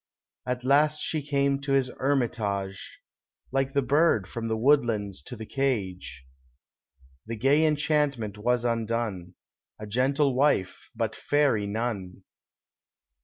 At last she came to his hermitage, Like the bird from the woodlands to the cage; The gay enchantment was undone, A gentle wife, but fairy none.